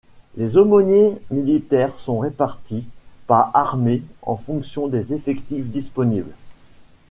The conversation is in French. Les aumôniers militaires sont répartis, par armée, en fonction des effectifs disponibles.